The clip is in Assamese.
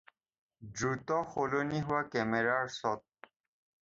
দ্ৰুত সলনি হোৱা কেমেৰাৰ শ্ব'ট।